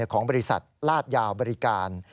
ของบริษัทลาดยาวบริการ